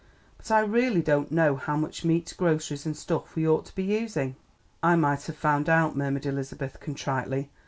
"But I really don't know how much meat, groceries and stuff we ought to be using." "I might have found out," murmured Elizabeth contritely.